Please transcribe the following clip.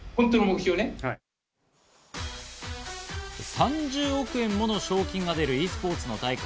３０億円もの賞金が出るｅスポーツの大会。